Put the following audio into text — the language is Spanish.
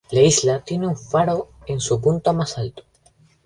La isla tiene un faro en su punto más alto.